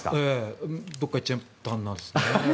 どこか行っちゃったんですよね。